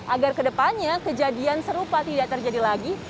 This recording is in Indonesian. agar ke depannya kejadian serupa tidak terjadi lagi